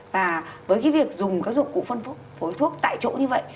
và với việc dùng các dụng cụ phân phối thuốc tại chỗ như vậy